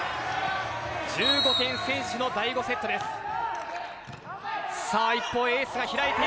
１５点先取の第５セットです。